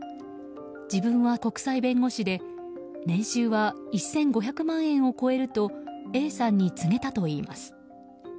自分は国際弁護士で年収は１５００万円を超えるとＡさんに告げたといいます。